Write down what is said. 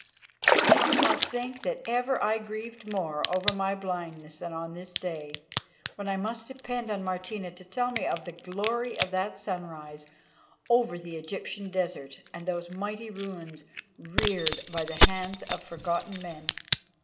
I do not think that ever I grieved more over my blindness than on this day, when I must depend upon Martina to tell me of the glory of that sunrise over the Egyptian desert and those mighty ruins reared by the hands of forgotten men.